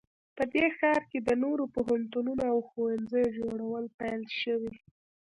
په دې ښار کې د نوو پوهنتونونو او ښوونځیو جوړول پیل شوي